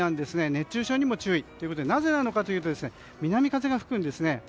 熱中症にも注意ということでなぜなのかというと南風が吹くんですね。